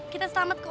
kita selamat kok